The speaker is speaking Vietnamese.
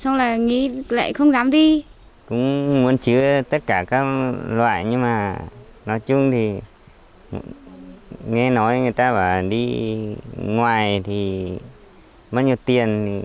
nhưng mà nói chung thì nghe nói người ta bảo đi ngoài thì mất nhiều tiền